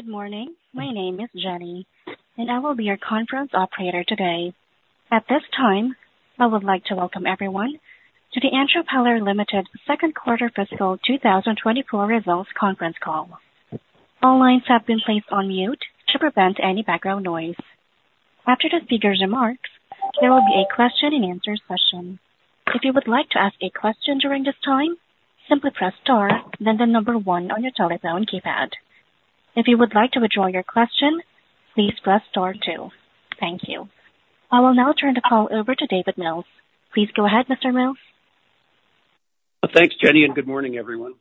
Good morning. My name is Jenny, and I will be your conference operator today. At this time, I would like to welcome everyone to the Andrew Peller Limited second quarter fiscal 2024 results conference call. All lines have been placed on mute to prevent any background noise. After the speaker's remarks, there will be a question-and-answer session. If you would like to ask a question during this time, simply press star then the number 1 on your telephone keypad. If you would like to withdraw your question, please press star two. Thank you. I will now turn the call over to David Mills. Please go ahead, Mr. Mills. Thanks, Jenny, and good morning, everyone.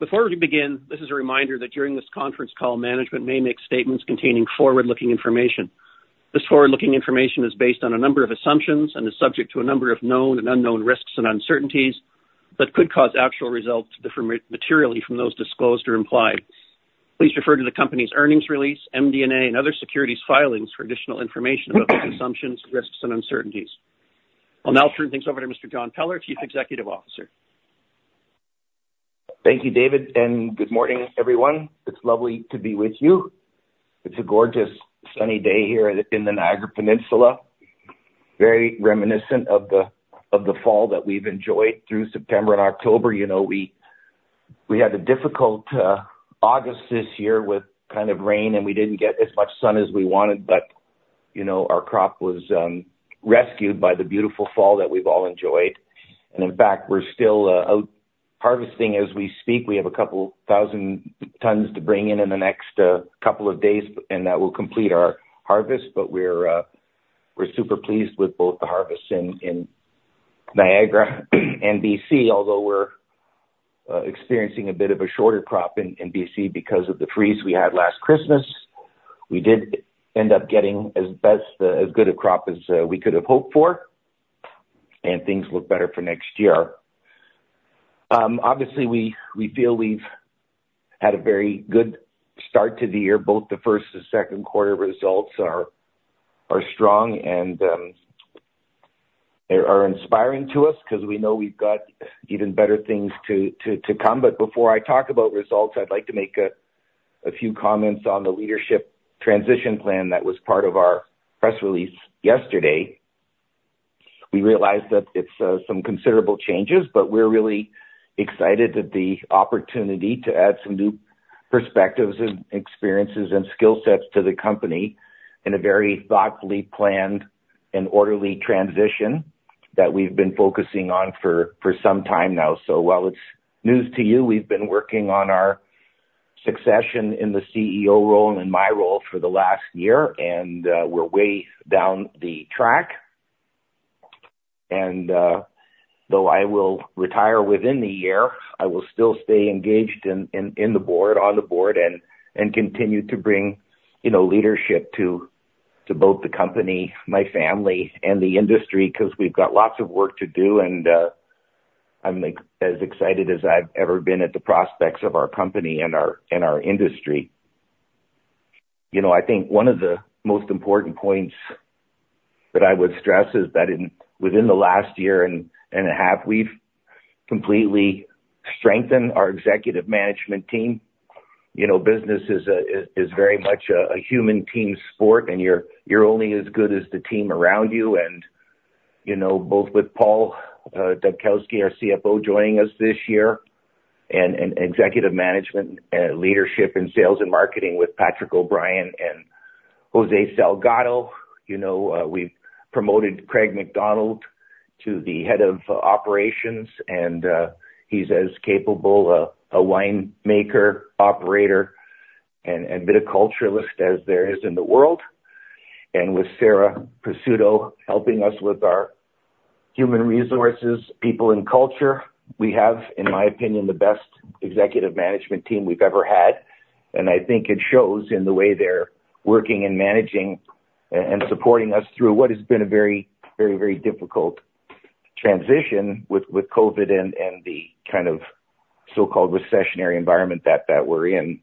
Before we begin, this is a reminder that during this conference call, management may make statements containing forward-looking information. This forward-looking information is based on a number of assumptions and is subject to a number of known and unknown risks and uncertainties that could cause actual results to differ materially from those disclosed or implied. Please refer to the company's earnings release, MD&A, and other securities filings for additional information about these assumptions, risks, and uncertainties. I'll now turn things over to Mr. John Peller, Chief Executive Officer. Thank you, David, and good morning, everyone. It's lovely to be with you. It's a gorgeous, sunny day here in the Niagara Peninsula, very reminiscent of the fall that we've enjoyed through September and October. We had a difficult August this year with kind of rain, and we didn't get as much sun as we wanted, but our crop was rescued by the beautiful fall that we've all enjoyed. And in fact, we're still out harvesting as we speak. We have a couple thousand tons to bring in in the next couple of days, and that will complete our harvest. But we're super pleased with both the harvest in Niagara and BC, although we're experiencing a bit of a shorter crop in BC because of the freeze we had last Christmas. We did end up getting as good a crop as we could have hoped for, and things look better for next year. Obviously, we feel we've had a very good start to the year. Both the first and second quarter results are strong and are inspiring to us because we know we've got even better things to come. But before I talk about results, I'd like to make a few comments on the leadership transition plan that was part of our press release yesterday. We realized that it's some considerable changes, but we're really excited that the opportunity to add some new perspectives and experiences and skill sets to the company in a very thoughtfully planned and orderly transition that we've been focusing on for some time now. While it's news to you, we've been working on our succession in the CEO role and in my role for the last year, and we're way down the track. Though I will retire within the year, I will still stay engaged on the board and continue to bring leadership to both the company, my family, and the industry because we've got lots of work to do, and I'm as excited as I've ever been at the prospects of our company and our industry. I think one of the most important points that I would stress is that within the last year and a half, we've completely strengthened our executive management team. Business is very much a human team sport, and you're only as good as the team around you. And both with Paul Dubkowski, our CFO, joining us this year, and executive management leadership in sales and marketing with Patrick O'Brien and José Salgado, we've promoted Craig McDonald to the head of operations, and he's as capable of a winemaker, operator, and viticulturalist as there is in the world. And with Sara Pressuto helping us with our human resources, people, and culture, we have, in my opinion, the best executive management team we've ever had. And I think it shows in the way they're working and managing and supporting us through what has been a very, very, very difficult transition with COVID and the kind of so-called recessionary environment that we're in.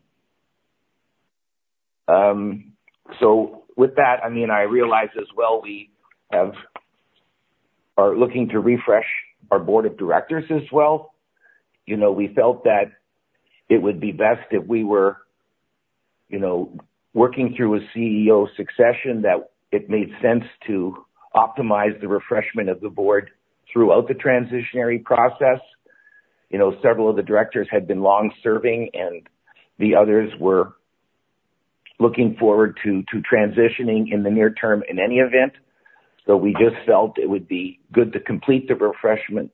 So with that, I mean, I realize as well we are looking to refresh our board of directors as well. We felt that it would be best if we were working through a CEO succession that it made sense to optimize the refreshment of the board throughout the transitionary process. Several of the directors had been long-serving, and the others were looking forward to transitioning in the near term in any event. So we just felt it would be good to complete the refreshment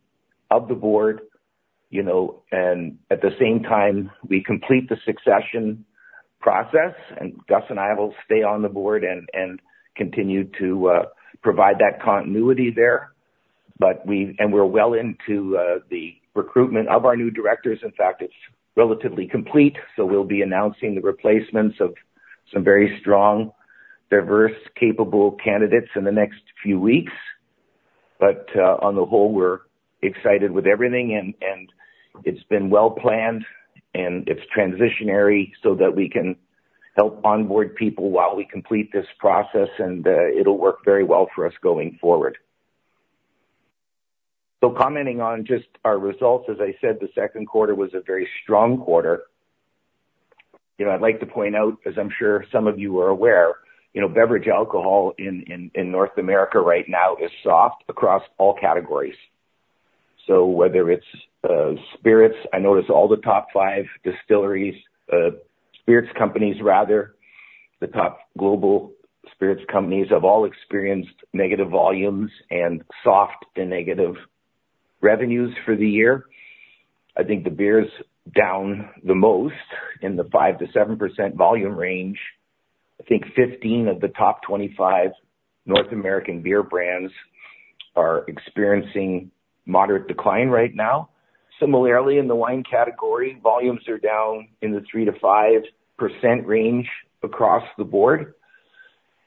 of the board and at the same time, we complete the succession process, and Gus and I will stay on the board and continue to provide that continuity there. And we're well into the recruitment of our new directors. In fact, it's relatively complete, so we'll be announcing the replacements of some very strong, diverse, capable candidates in the next few weeks. But on the whole, we're excited with everything, and it's been well-planned, and it's transitionary so that we can help onboard people while we complete this process, and it'll work very well for us going forward. So commenting on just our results, as I said, the second quarter was a very strong quarter. I'd like to point out, as I'm sure some of you are aware, beverage alcohol in North America right now is soft across all categories. So whether it's spirits, I notice all the top 5 distilleries, spirits companies rather, the top global spirits companies have all experienced negative volumes and soft and negative revenues for the year. I think the beer's down the most in the 5%-7% volume range. I think 15 of the top 25 North American beer brands are experiencing moderate decline right now. Similarly, in the wine category, volumes are down in the 3%-5% range across the board.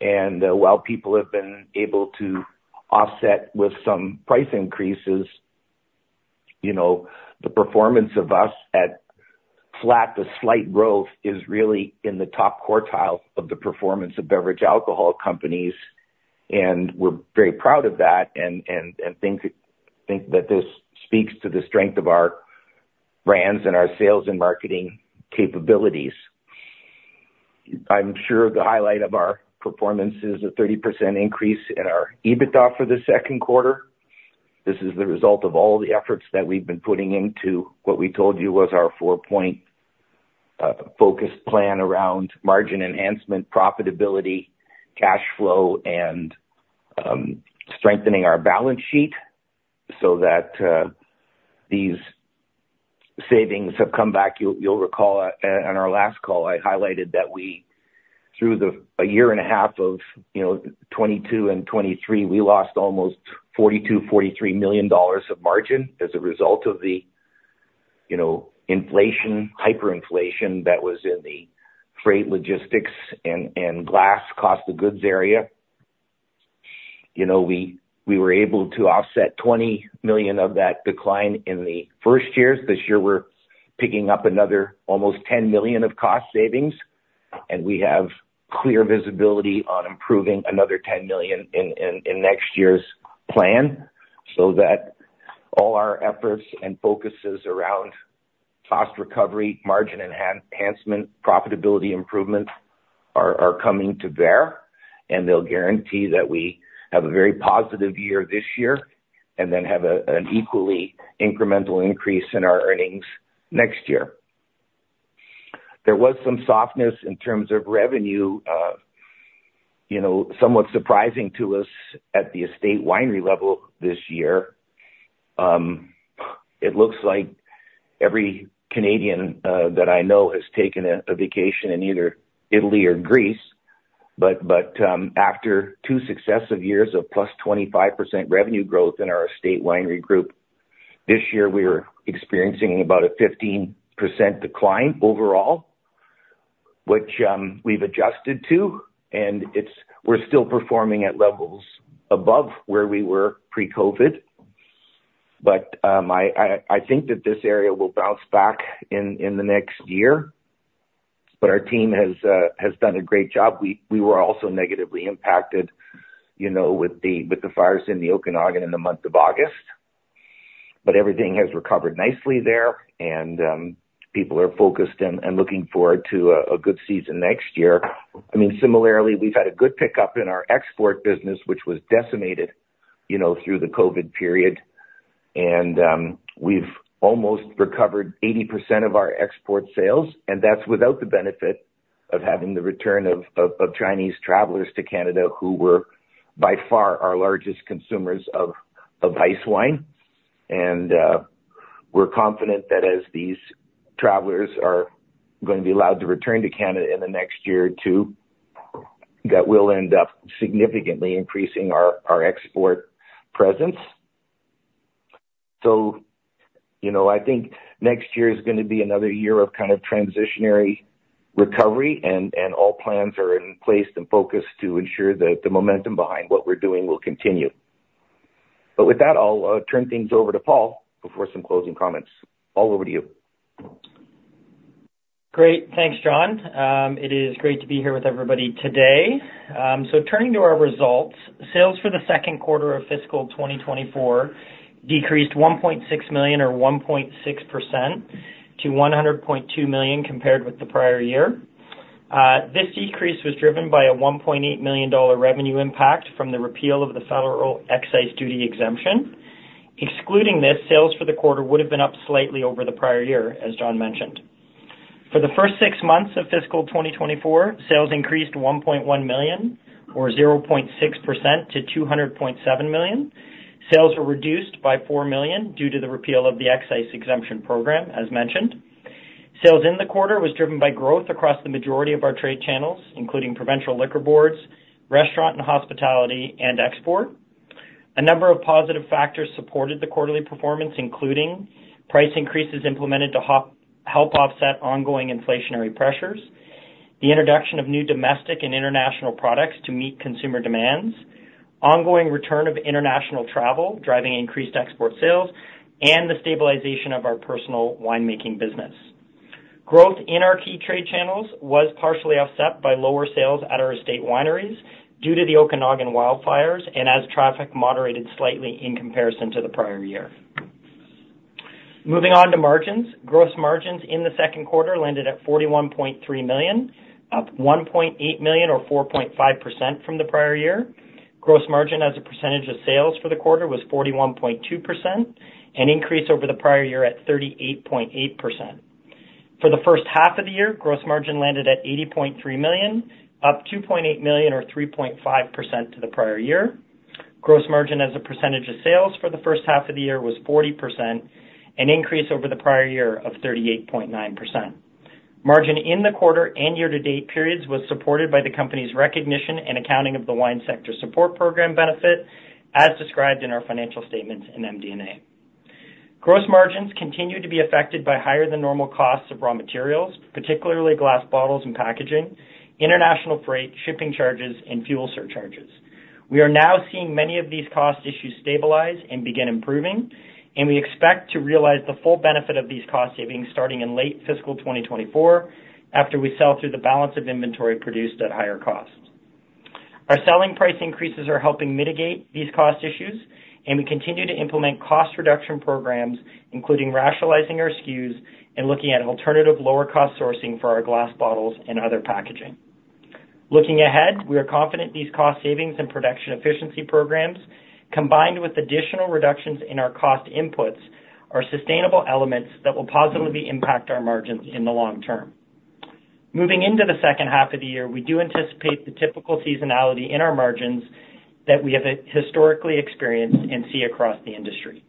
And while people have been able to offset with some price increases, the performance of us at flat to slight growth is really in the top quartile of the performance of beverage alcohol companies, and we're very proud of that. And I think that this speaks to the strength of our brands and our sales and marketing capabilities. I'm sure the highlight of our performance is a 30% increase in our EBITDA for the second quarter. This is the result of all the efforts that we've been putting into what we told you was our four-point focused plan around margin enhancement, profitability, cash flow, and strengthening our balance sheet so that these savings have come back. You'll recall on our last call, I highlighted that through a year and a half of 2022 and 2023, we lost almost 42 million-43 million dollars of margin as a result of the hyperinflation that was in the freight logistics and glass cost of goods area. We were able to offset 20 million of that decline in the first years. This year, we're picking up another almost 10 million of cost savings, and we have clear visibility on improving another 10 million in next year's plan so that all our efforts and focuses around cost recovery, margin enhancement, profitability improvement are coming to bear. And they'll guarantee that we have a very positive year this year and then have an equally incremental increase in our earnings next year. There was some softness in terms of revenue, somewhat surprising to us at the estate winery level this year. It looks like every Canadian that I know has taken a vacation in either Italy or Greece. But after two successive years of +25% revenue growth in our estate winery group, this year, we were experiencing about a 15% decline overall, which we've adjusted to. And we're still performing at levels above where we were pre-COVID. But I think that this area will bounce back in the next year. But our team has done a great job. We were also negatively impacted with the fires in the Okanagan in the month of August, but everything has recovered nicely there, and people are focused and looking forward to a good season next year. I mean, similarly, we've had a good pickup in our export business, which was decimated through the COVID period. We've almost recovered 80% of our export sales, and that's without the benefit of having the return of Chinese travelers to Canada who were by far our largest consumers of Icewine. And we're confident that as these travelers are going to be allowed to return to Canada in the next year or two, that we'll end up significantly increasing our export presence. So I think next year is going to be another year of kind of transitionary recovery, and all plans are in place and focused to ensure that the momentum behind what we're doing will continue. But with that, I'll turn things over to Paul before some closing comments. All over to you. Great. Thanks, John. It is great to be here with everybody today. Turning to our results, sales for the second quarter of fiscal 2024 decreased 1.6 million or 1.6% to 100.2 million compared with the prior year. This decrease was driven by a 1.8 million dollar revenue impact from the repeal of the federal excise duty exemption. Excluding this, sales for the quarter would have been up slightly over the prior year, as John mentioned. For the first six months of fiscal 2024, sales increased 1.1 million or 0.6% to 200.7 million. Sales were reduced by 4 million due to the repeal of the excise exemption program, as mentioned. Sales in the quarter was driven by growth across the majority of our trade channels, including provincial liquor boards, restaurant and hospitality, and export. A number of positive factors supported the quarterly performance, including price increases implemented to help offset ongoing inflationary pressures, the introduction of new domestic and international products to meet consumer demands, ongoing return of international travel driving increased export sales, and the stabilization of our personal winemaking business. Growth in our key trade channels was partially offset by lower sales at our estate wineries due to the Okanagan wildfires and as traffic moderated slightly in comparison to the prior year. Moving on to margins, gross margins in the second quarter landed at 41.3 million, up 1.8 million or 4.5% from the prior year. Gross margin as a percentage of sales for the quarter was 41.2%, an increase over the prior year at 38.8%. For the first half of the year, gross margin landed at 80.3 million, up 2.8 million or 3.5% to the prior year. Gross margin as a percentage of sales for the first half of the year was 40%, an increase over the prior year of 38.9%. Margin in the quarter and year-to-date periods was supported by the company's recognition and accounting of the Wine Sector Support Program benefit as described in our financial statements and MD&A. Gross margins continue to be affected by higher-than-normal costs of raw materials, particularly glass bottles and packaging, international freight, shipping charges, and fuel surcharges. We are now seeing many of these cost issues stabilize and begin improving, and we expect to realize the full benefit of these cost savings starting in late fiscal 2024 after we sell through the balance of inventory produced at higher costs. Our selling price increases are helping mitigate these cost issues, and we continue to implement cost reduction programs, including rationalizing our SKUs and looking at alternative lower-cost sourcing for our glass bottles and other packaging. Looking ahead, we are confident these cost savings and production efficiency programs, combined with additional reductions in our cost inputs, are sustainable elements that will positively impact our margins in the long term. Moving into the second half of the year, we do anticipate the typical seasonality in our margins that we have historically experienced and see across the industry.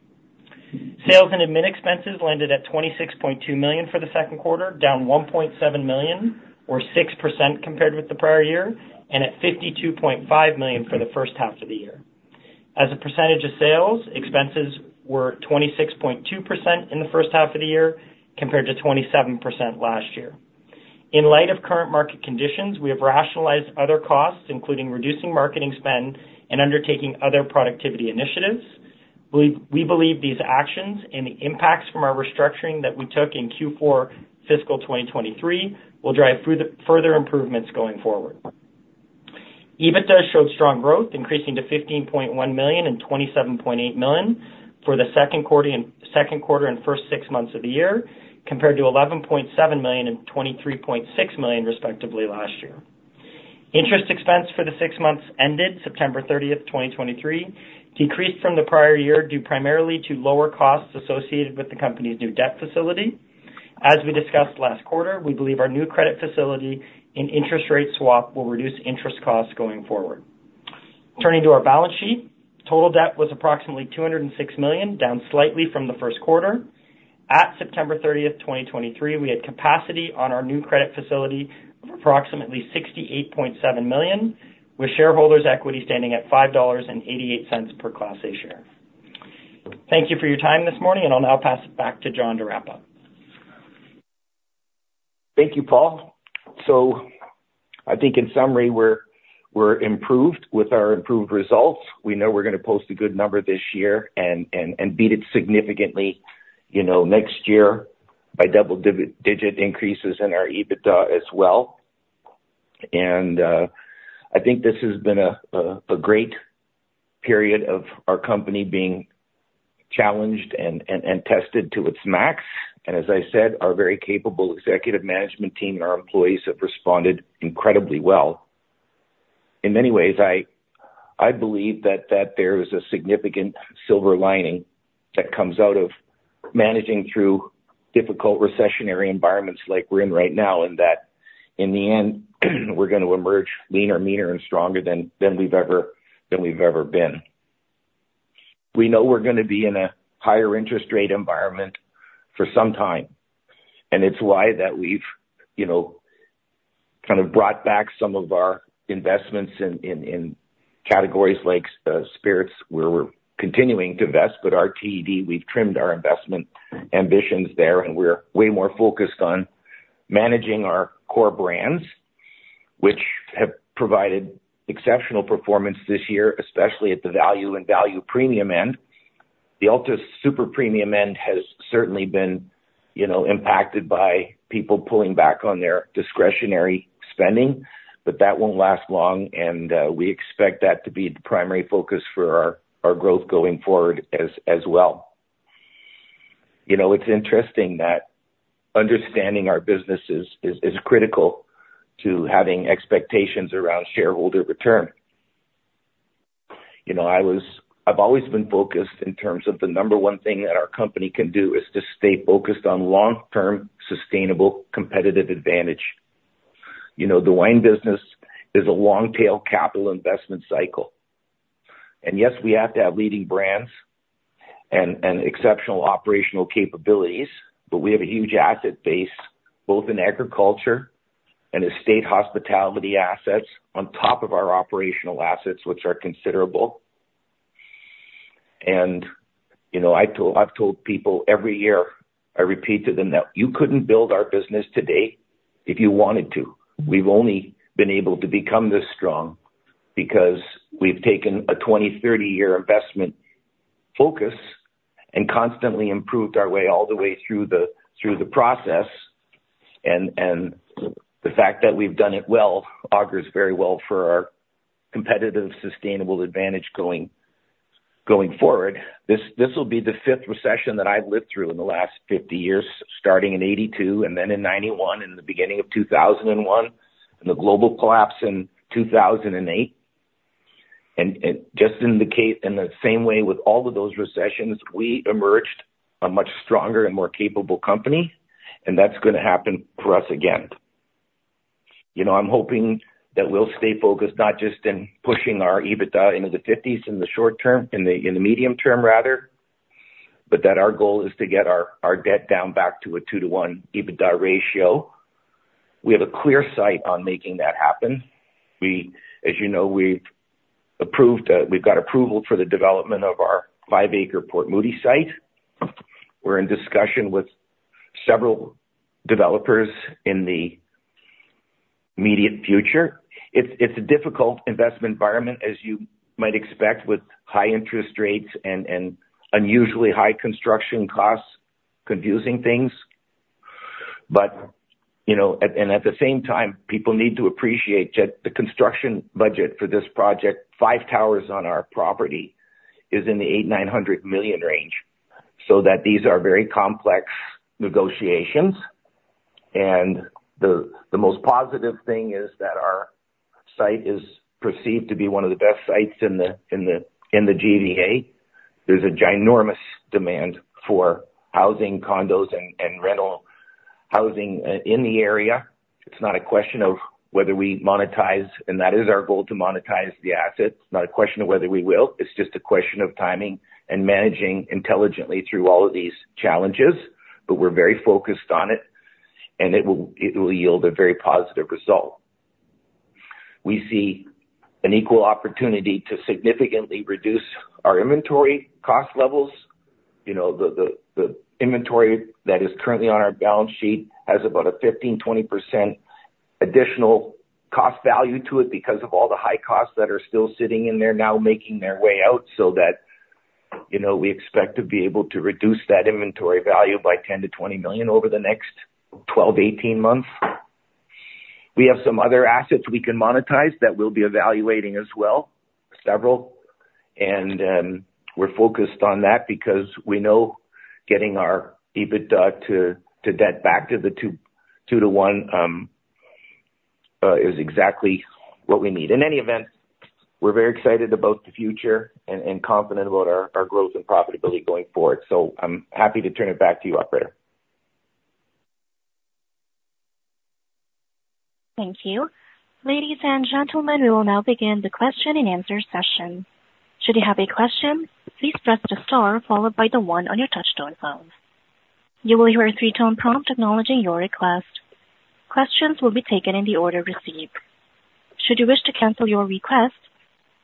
Sales and admin expenses landed at 26.2 million for the second quarter, down 1.7 million or 6% compared with the prior year, and at 52.5 million for the first half of the year. As a percentage of sales, expenses were 26.2% in the first half of the year compared to 27% last year. In light of current market conditions, we have rationalized other costs, including reducing marketing spend and undertaking other productivity initiatives. We believe these actions and the impacts from our restructuring that we took in Q4 fiscal 2023 will drive further improvements going forward. EBITDA showed strong growth, increasing to 15.1 million and 27.8 million for the second quarter and first six months of the year compared to 11.7 million and 23.6 million, respectively, last year. Interest expense for the six months ended September 30th, 2023, decreased from the prior year due primarily to lower costs associated with the company's new debt facility. As we discussed last quarter, we believe our new credit facility and interest rate swap will reduce interest costs going forward. Turning to our balance sheet, total debt was approximately 206 million, down slightly from the first quarter. At September 30th, 2023, we had capacity on our new credit facility of approximately 68.7 million, with shareholders' equity standing at 5.88 dollars per Class A share. Thank you for your time this morning, and I'll now pass it back to John to wrap up. Thank you, Paul. I think, in summary, we're improved with our improved results. We know we're going to post a good number this year and beat it significantly next year by double-digit increases in our EBITDA as well. I think this has been a great period of our company being challenged and tested to its max. As I said, our very capable executive management team and our employees have responded incredibly well. In many ways, I believe that there is a significant silver lining that comes out of managing through difficult recessionary environments like we're in right now and that, in the end, we're going to emerge leaner, meaner, and stronger than we've ever been. We know we're going to be in a higher interest rate environment for some time, and it's why that we've kind of brought back some of our investments in categories like spirits. We're continuing to invest, but our debt, we've trimmed our investment ambitions there, and we're way more focused on managing our core brands, which have provided exceptional performance this year, especially at the value and value premium end. The ultra premium end has certainly been impacted by people pulling back on their discretionary spending, but that won't last long, and we expect that to be the primary focus for our growth going forward as well. It's interesting that understanding our business is critical to having expectations around shareholder return. I've always been focused in terms of the number one thing that our company can do is to stay focused on long-term sustainable competitive advantage. The wine business is a long-tail capital investment cycle. Yes, we have to have leading brands and exceptional operational capabilities, but we have a huge asset base both in agriculture and estate hospitality assets on top of our operational assets, which are considerable. I've told people every year, I repeat to them that you couldn't build our business today if you wanted to. We've only been able to become this strong because we've taken a 20-30-year investment focus and constantly improved our way all the way through the process. The fact that we've done it well augurs very well for our competitive sustainable advantage going forward. This will be the fifth recession that I've lived through in the last 50 years, starting in 1982 and then in 1991, in the beginning of 2001, and the global collapse in 2008. And just in the same way with all of those recessions, we emerged a much stronger and more capable company, and that's going to happen for us again. I'm hoping that we'll stay focused not just in pushing our EBITDA into the 50s in the short term, in the medium term, rather, but that our goal is to get our debt down back to a 2:1 EBITDA ratio. We have a clear sight on making that happen. As you know, we've got approval for the development of our five-acre Port Moody site. We're in discussion with several developers in the immediate future. It's a difficult investment environment, as you might expect, with high interest rates and unusually high construction costs, confusing things. At the same time, people need to appreciate that the construction budget for this project, five towers on our property, is in the 800 million-900 million range so that these are very complex negotiations. The most positive thing is that our site is perceived to be one of the best sites in the GVA. There's a ginormous demand for housing, condos, and rental housing in the area. It's not a question of whether we monetize, and that is our goal, to monetize the asset. It's not a question of whether we will. It's just a question of timing and managing intelligently through all of these challenges. We're very focused on it, and it will yield a very positive result. We see an equal opportunity to significantly reduce our inventory cost levels. The inventory that is currently on our balance sheet has about a 15%-20% additional cost value to it because of all the high costs that are still sitting in there now making their way out. So that we expect to be able to reduce that inventory value by 10 million-20 million over the next 12 months-18 months. We have some other assets we can monetize that we'll be evaluating as well, several. And we're focused on that because we know getting our EBITDA to debt back to the 2:1 is exactly what we need. In any event, we're very excited about the future and confident about our growth and profitability going forward. So I'm happy to turn it back to you, operator. Thank you. Ladies and gentlemen, we will now begin the question and answer session. Should you have a question, please press the star followed by the one on your touch-tone phone. You will hear a three-tone prompt acknowledging your request. Questions will be taken in the order received. Should you wish to cancel your request,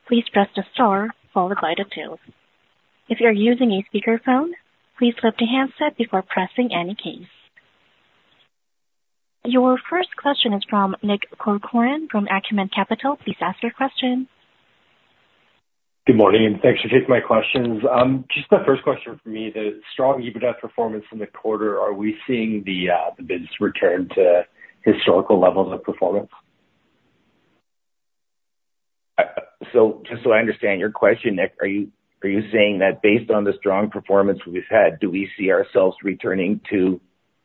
please press the star followed by the two. If you're using a speakerphone, please flip to handset before pressing any keys. Your first question is from Nick Corcoran from Acumen Capital. Please ask your question. Good morning. Thanks for taking my questions. Just the first question for me, the strong EBITDA performance in the quarter, are we seeing the bids return to historical levels of performance? Just so I understand your question, Nick, are you saying that based on the strong performance we've had, do we see ourselves returning to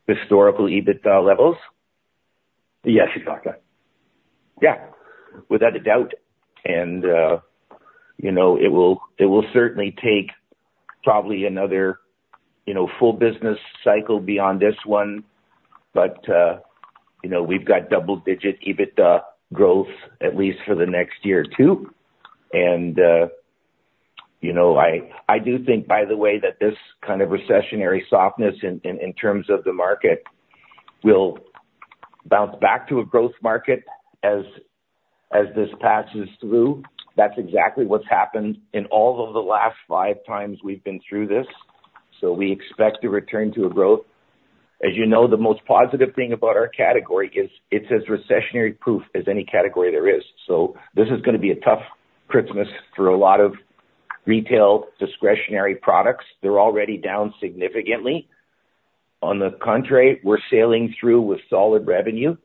historical EBITDA levels? Yes, exactly. Yeah, without a doubt. It will certainly take probably another full business cycle beyond this one, but we've got double-digit EBITDA growth, at least for the next year or two. I do think, by the way, that this kind of recessionary softness in terms of the market will bounce back to a growth market as this passes through. That's exactly what's happened in all of the last five times we've been through this. We expect to return to a growth. As you know, the most positive thing about our category is it's as recession-proof as any category there is. This is going to be a tough Christmas for a lot of retail discretionary products. They're already down significantly. On the contrary, we're sailing through with solid revenue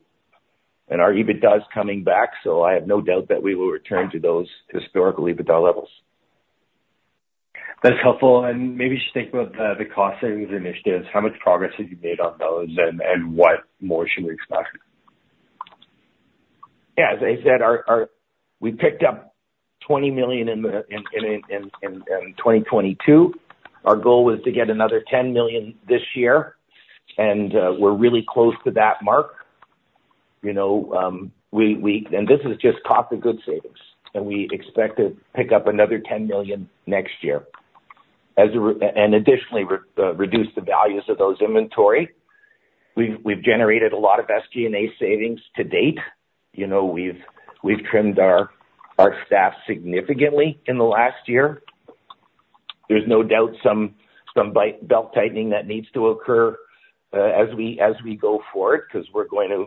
and our EBITDA is coming back. I have no doubt that we will return to those historical EBITDA levels. That's helpful. Maybe you should think about the cost savings initiatives. How much progress have you made on those and what more should we expect? Yeah. As I said, we picked up 20 million in 2022. Our goal was to get another 10 million this year, and we're really close to that mark. This is just cost of goods savings. We expect to pick up another 10 million next year and additionally reduce the values of those inventory. We've generated a lot of SG&A savings to date. We've trimmed our staff significantly in the last year. There's no doubt some belt-tightening that needs to occur as we go forward because we're going to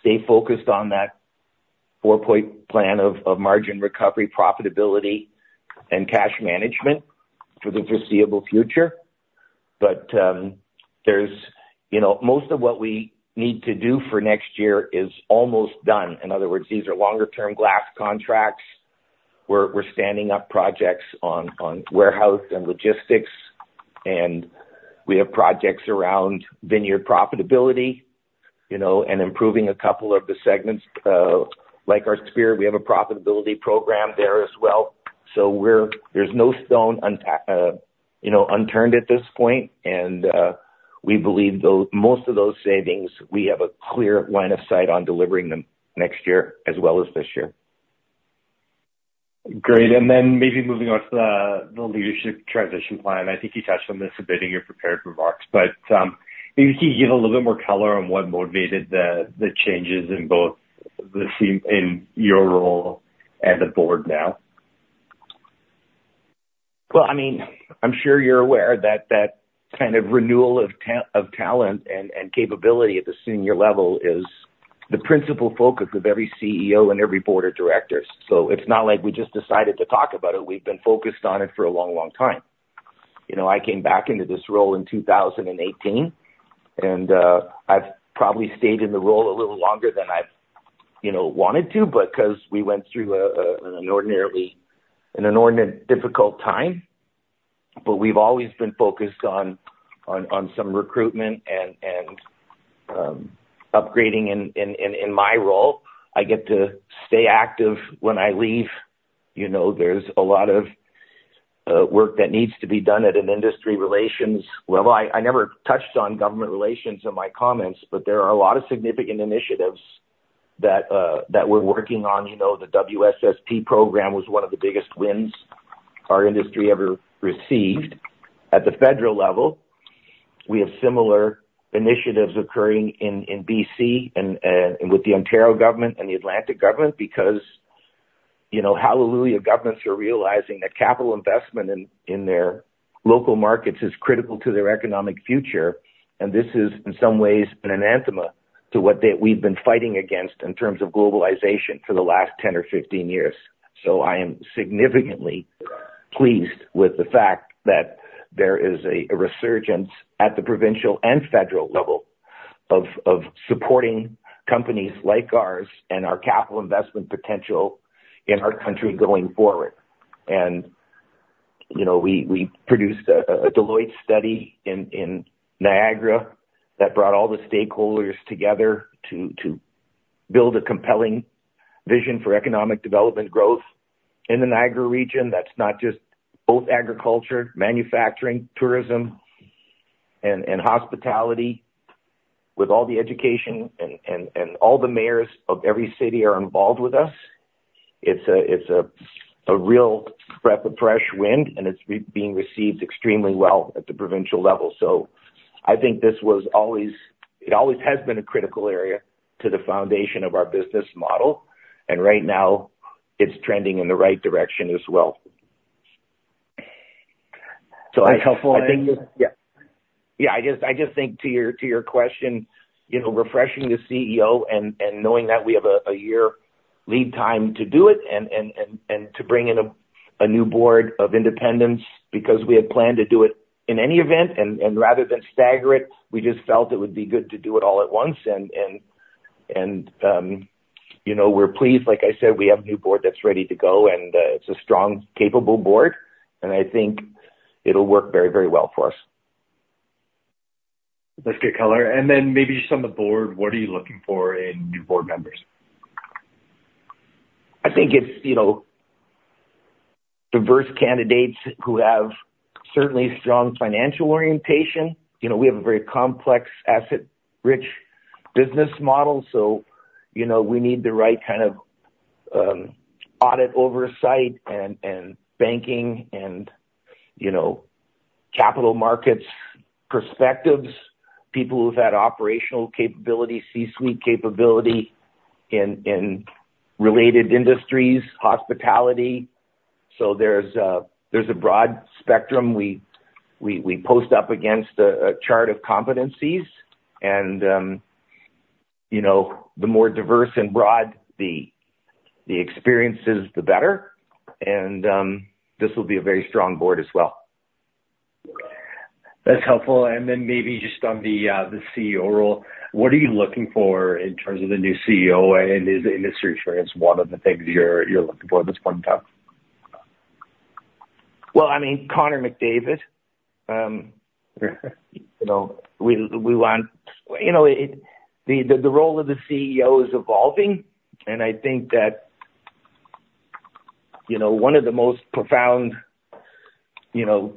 stay focused on that four-point plan of margin recovery, profitability, and cash management for the foreseeable future. Most of what we need to do for next year is almost done. In other words, these are longer-term glass contracts. We're standing up projects on warehouse and logistics, and we have projects around vineyard profitability and improving a couple of the segments. Like our sphere, we have a profitability program there as well. So there's no stone unturned at this point. We believe most of those savings. We have a clear line of sight on delivering them next year as well as this year. Great. And then maybe moving on to the leadership transition plan. I think you touched on this a bit in your prepared remarks, but maybe if you could give a little bit more color on what motivated the changes in both your role and the board now. Well, I mean, I'm sure you're aware that kind of renewal of talent and capability at the senior level is the principal focus of every CEO and every board of directors. So it's not like we just decided to talk about it. We've been focused on it for a long, long time. I came back into this role in 2018, and I've probably stayed in the role a little longer than I've wanted to because we went through an inordinately difficult time. But we've always been focused on some recruitment and upgrading. In my role, I get to stay active when I leave. There's a lot of work that needs to be done in industry relations. Well, I never touched on government relations in my comments, but there are a lot of significant initiatives that we're working on. The WSSP program was one of the biggest wins our industry ever received at the federal level. We have similar initiatives occurring in BC with the Ontario government and the Atlantic government because, hallelujah, governments are realizing that capital investment in their local markets is critical to their economic future. This is, in some ways, an anathema to what we've been fighting against in terms of globalization for the last 10 years or 15 years. I am significantly pleased with the fact that there is a resurgence at the provincial and federal level of supporting companies like ours and our capital investment potential in our country going forward. We produced a Deloitte study in Niagara that brought all the stakeholders together to build a compelling vision for economic development growth in the Niagara region. That's not just both agriculture, manufacturing, tourism, and hospitality. With all the education and all the mayors of every city are involved with us, it's a real breath of fresh wind, and it's being received extremely well at the provincial level. So I think this was always it always has been a critical area to the foundation of our business model. Right now, it's trending in the right direction as well. So I think. That's helpful. Yeah. Yeah. I just think to your question, refreshing the CEO and knowing that we have a year lead time to do it and to bring in a new board of independents because we had planned to do it in any event. And rather than stagger it, we just felt it would be good to do it all at once. And we're pleased. Like I said, we have a new board that's ready to go, and it's a strong, capable board. And I think it'll work very, very well for us. That's good color. Then maybe just on the board, what are you looking for in new board members? I think it's diverse candidates who have certainly strong financial orientation. We have a very complex, asset-rich business model. So we need the right kind of audit oversight and banking and capital markets perspectives, people who've had operational capability, C-suite capability in related industries, hospitality. So there's a broad spectrum. We post up against a chart of competencies. And the more diverse and broad the experiences, the better. And this will be a very strong board as well. That's helpful. And then maybe just on the CEO role, what are you looking for in terms of the new CEO? And is industry experience one of the things you're looking for this point in time? Well, I mean, Connor McDavid. We want the role of the CEO is evolving. And I think that one of the most profound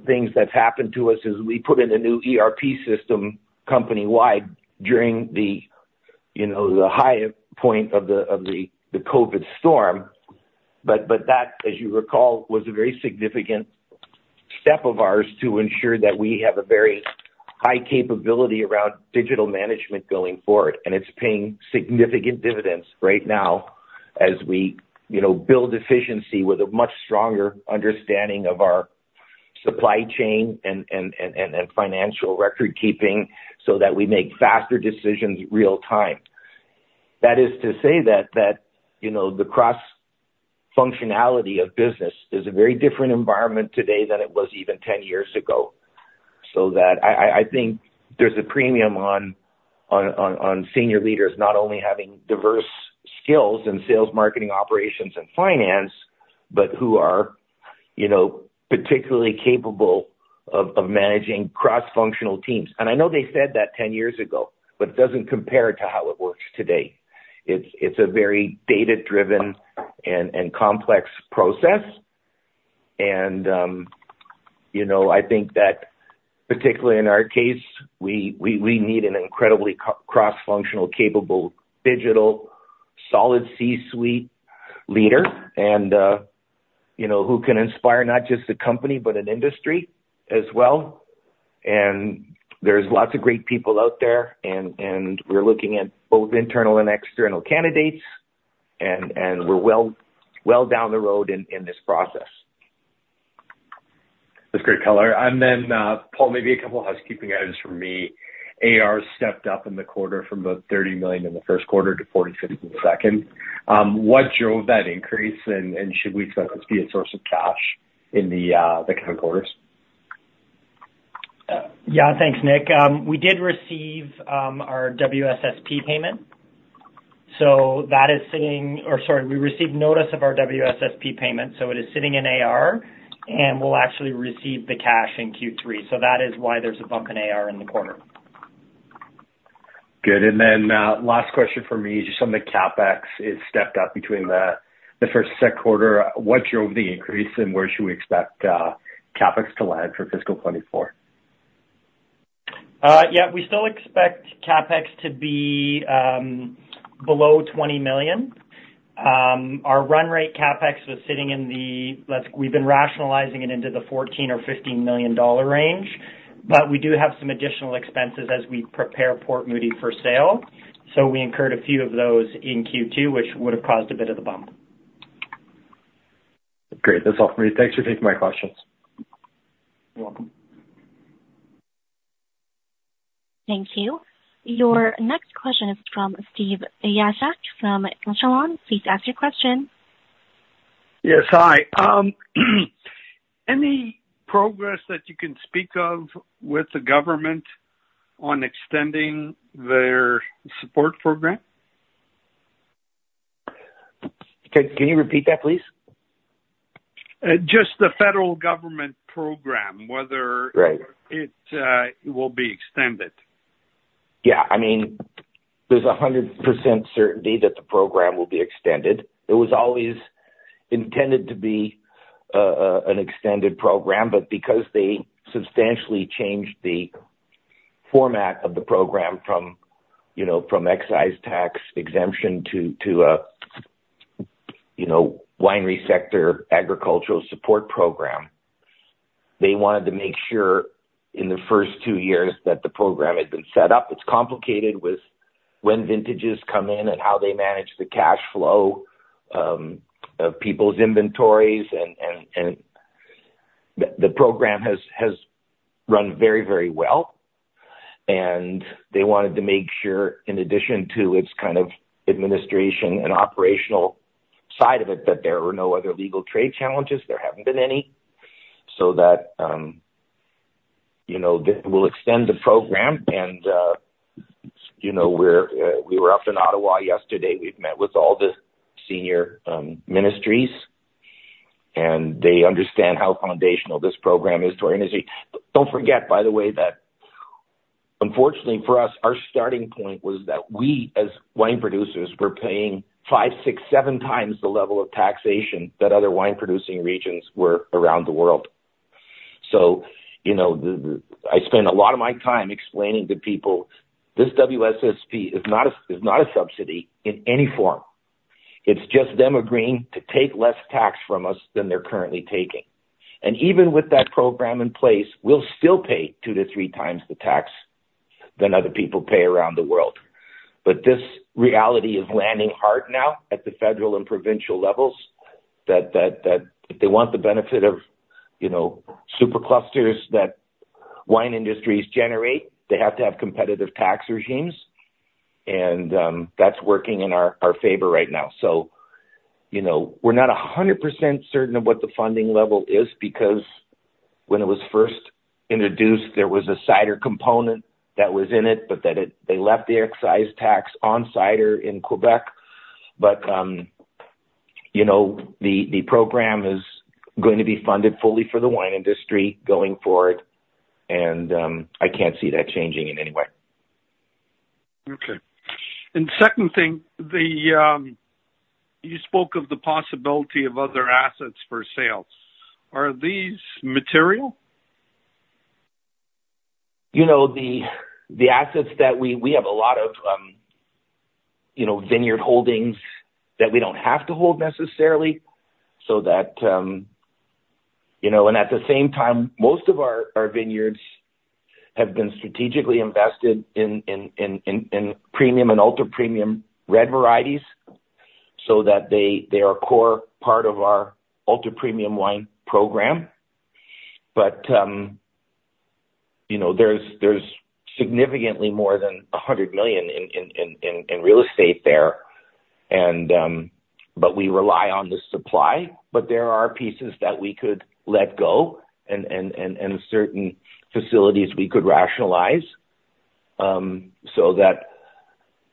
things that's happened to us is we put in a new ERP system company-wide during the high point of the COVID storm. But that, as you recall, was a very significant step of ours to ensure that we have a very high capability around digital management going forward. And it's paying significant dividends right now as we build efficiency with a much stronger understanding of our supply chain and financial record-keeping so that we make faster decisions real-time. That is to say that the cross-functionality of business is a very different environment today than it was even 10 years ago. That I think there's a premium on senior leaders not only having diverse skills in sales, marketing, operations, and finance, but who are particularly capable of managing cross-functional teams. I know they said that 10 years ago, but it doesn't compare to how it works today. It's a very data-driven and complex process. I think that particularly in our case, we need an incredibly cross-functional, capable, digital, solid C-suite leader who can inspire not just the company, but an industry as well. There's lots of great people out there. We're looking at both internal and external candidates, and we're well down the road in this process. That's great color. And then, Paul, maybe a couple of housekeeping items from me. AR stepped up in the quarter from about 30 million in the first quarter to 45 million in the second. What drove that increase? And should we expect this to be a source of cash in the coming quarters? Yeah. Thanks, Nick. We did receive our WSSP payment. So that is sitting or sorry, we received notice of our WSSP payment. So it is sitting in AR, and we'll actually receive the cash in Q3. So that is why there's a bump in AR in the quarter. Good. And then last question for me, just on the CapEx, it stepped up between the first six quarters. What drove the increase, and where should we expect CapEx to land for fiscal 2024? Yeah. We still expect CapEx to be below 20 million. Our run rate CapEx was sitting. We've been rationalizing it into the 14 million or 15 million dollar range, but we do have some additional expenses as we prepare Port Moody for sale. So we incurred a few of those in Q2, which would have caused a bit of a bump. Great. That's all from me. Thanks for taking my questions. You're welcome. Thank you. Your next question is from Steve Corcoran from Echelon. Please ask your question. Yes. Hi. Any progress that you can speak of with the government on extending their support program? Can you repeat that, please? Just the federal government program, whether it will be extended. Yeah. I mean, there's 100% certainty that the program will be extended. It was always intended to be an extended program, but because they substantially changed the format of the program from excise tax exemption to a winery sector agricultural support program, they wanted to make sure in the first two years that the program had been set up. It's complicated with when vintages come in and how they manage the cash flow of people's inventories. And the program has run very, very well. And they wanted to make sure, in addition to its kind of administration and operational side of it, that there were no other legal trade challenges. There haven't been any. So that we'll extend the program. And we were up in Ottawa yesterday. We've met with all the senior ministries, and they understand how foundational this program is to our industry. Don't forget, by the way, that unfortunately for us, our starting point was that we, as wine producers, were paying 5x, 6x, 7x the level of taxation that other wine-producing regions were around the world. So I spend a lot of my time explaining to people, "This WSSP is not a subsidy in any form. It's just them agreeing to take less tax from us than they're currently taking." And even with that program in place, we'll still pay 2x-3x the tax than other people pay around the world. But this reality is landing hard now at the federal and provincial levels that if they want the benefit of superclusters that wine industries generate, they have to have competitive tax regimes. And that's working in our favor right now. We're not 100% certain of what the funding level is because when it was first introduced, there was a cider component that was in it, but that they left the excise tax on cider in Quebec. But the program is going to be funded fully for the wine industry going forward, and I can't see that changing in any way. Okay. Second thing, you spoke of the possibility of other assets for sale. Are these material? The assets that we have a lot of vineyard holdings that we don't have to hold necessarily. At the same time, most of our vineyards have been strategically invested in premium and ultra-premium red varieties so that they are a core part of our ultra-premium wine program. But there's significantly more than 100 million in real estate there, but we rely on the supply. But there are pieces that we could let go and certain facilities we could rationalize so that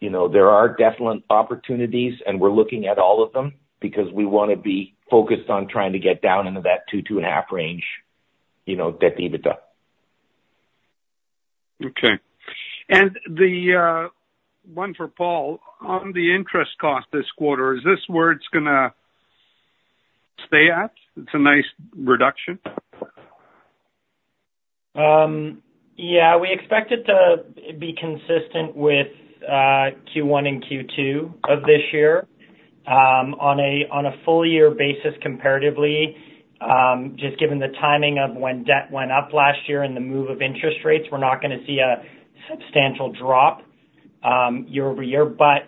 there are definite opportunities, and we're looking at all of them because we want to be focused on trying to get down into that 2x-2.5x debt/EBITDA. Okay. The one for Paul, on the interest cost this quarter, is this where it's going to stay at? It's a nice reduction. Yeah. We expect it to be consistent with Q1 and Q2 of this year on a full-year basis comparatively. Just given the timing of when debt went up last year and the move of interest rates, we're not going to see a substantial drop year over year. But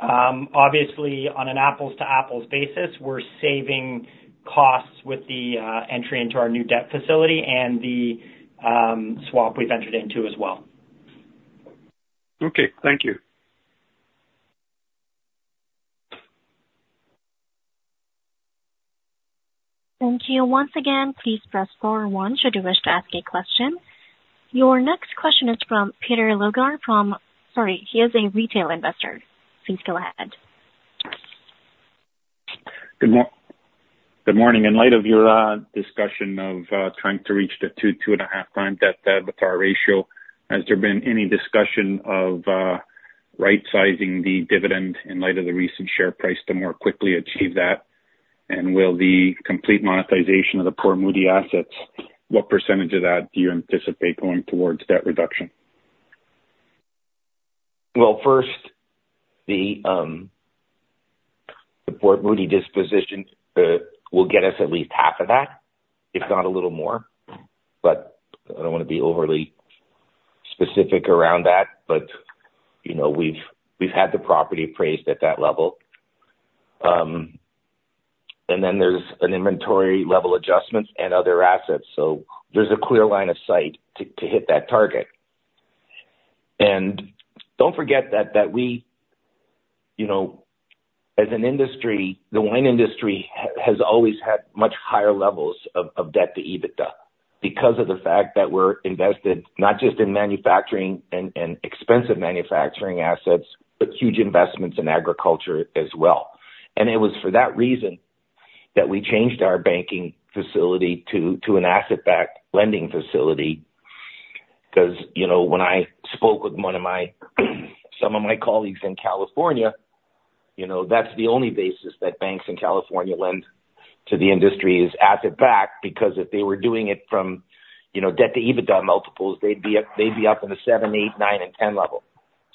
obviously, on an apples-to-apples basis, we're saving costs with the entry into our new debt facility and the swap we've entered into as well. Okay. Thank you. Thank you. Once again, please press 4 or 1 should you wish to ask a question. Your next question is from Peter Logar, sorry, he is a retail investor. Please go ahead. Good morning. In light of your discussion of trying to reach the 2x-2.5x debt to EBITDA ratio, has there been any discussion of right-sizing the dividend in light of the recent share price to more quickly achieve that? And will the complete monetization of the Port Moody assets, what percentage of that do you anticipate going towards debt reduction? Well, first, the Port Moody disposition will get us at least half of that, if not a little more. But I don't want to be overly specific around that. But we've had the property appraised at that level. And then there's an inventory level adjustment and other assets. So there's a clear line of sight to hit that target. And don't forget that we, as an industry, the wine industry has always had much higher levels of debt to EBITDA because of the fact that we're invested not just in manufacturing and expensive manufacturing assets, but huge investments in agriculture as well. And it was for that reason that we changed our banking facility to an asset-backed lending facility. Because when I spoke with some of my colleagues in California, that's the only basis that banks in California lend to the industry is asset-backed because if they were doing it from debt to EBITDA multiples, they'd be up in the 7x, 8x, 9x, and 10x level.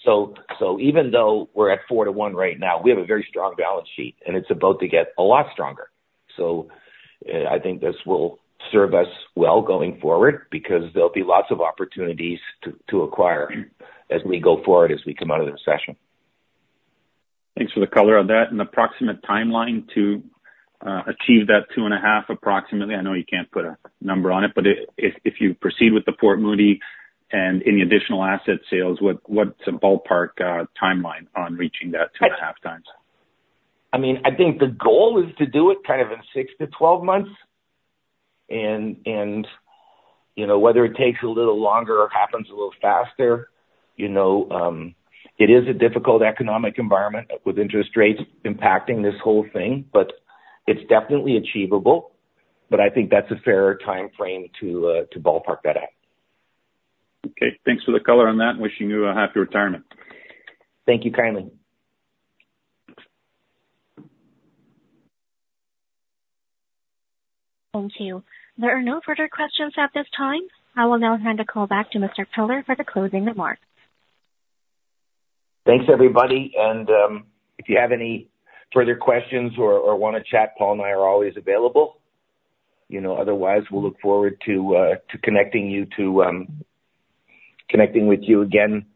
So even though we're at 4x-1x right now, we have a very strong balance sheet, and it's about to get a lot stronger. So I think this will serve us well going forward because there'll be lots of opportunities to acquire as we go forward, as we come out of the recession. Thanks for the color on that. The approximate timeline to achieve that 2.5x approximately. I know you can't put a number on it, but if you proceed with the Port Moody and any additional asset sales, what's a ballpark timeline on reaching that 2.5x? I mean, I think the goal is to do it kind of in 6 months-12 months. Whether it takes a little longer or happens a little faster, it is a difficult economic environment with interest rates impacting this whole thing. It's definitely achievable. I think that's a fair timeframe to ballpark that at. Okay. Thanks for the color on that and wishing you a happy retirement. Thank you kindly. Thank you. There are no further questions at this time. I will now hand a call back to Mr. Peller for the closing remarks. Thanks, everybody. If you have any further questions or want to chat, Paul and I are always available. Otherwise, we'll look forward to connecting with you again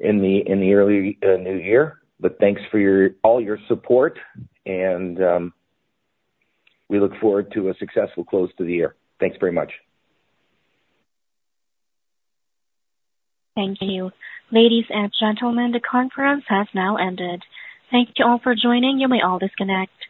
in the early new year. Thanks for all your support, and we look forward to a successful close to the year. Thanks very much. Thank you. Ladies and gentlemen, the conference has now ended. Thank you all for joining. You may all disconnect.